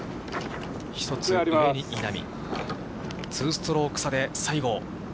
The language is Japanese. １つ上に稲見、２ストローク差で西郷。